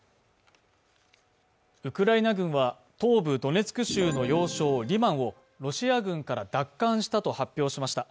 ウクライナ軍は東部ドネツク州の要衝リマンを、ロシア軍から奪還したと発表しました。